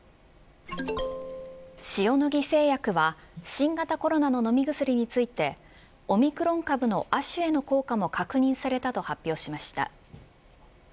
塩野義製薬は新型コロナの飲み薬についてオミクロン株の亜種への効果も確認されたと発表しました。